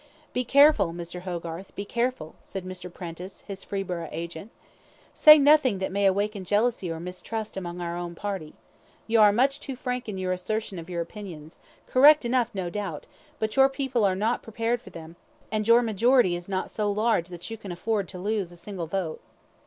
"Be careful, Mr. Hogarth, be careful," said Mr. Prentice, his Freeburgh agent. "Say nothing that may awaken jealousy or mistrust among our own party. You are much too frank in your assertion of your opinions correct enough, no doubt; but your people are not prepared for them, and your majority is not so large that you can afford to lose a single vote."